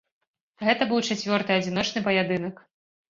Гэта быў чацвёрты адзіночны паядынак.